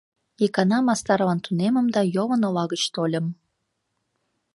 Икана мастарлан тунемым да йолын ола гыч тольым.